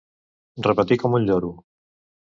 Repetir com un lloro.